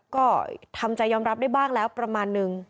ก็ทำใจยอมรับได้บ้างแล้วประมาณนึง